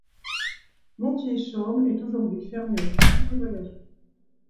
Montierchaume est aujourd'hui fermée au trafic des voyageurs.